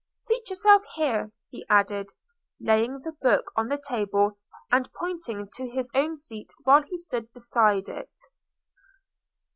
Seat yourself here," he added, laying the book on the table, and pointing to his own seat while he stood beside it.